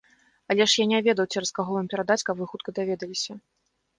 Але ж я не ведаў, цераз каго вам перадаць, каб хутка вы даведаліся.